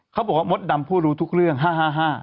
เขาบอกว่ามดดำผู้รู้ทุกเรื่องห้าห้า